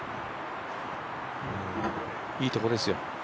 いいところですよ。